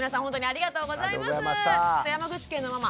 ありがとうございます。